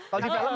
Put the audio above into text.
kalau di film